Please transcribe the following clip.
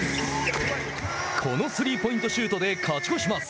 このスリーポイントシュートで勝ち越します。